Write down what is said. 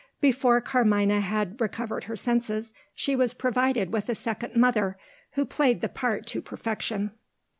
Before Carmina had recovered her senses she was provided with a second mother, who played the part to perfection.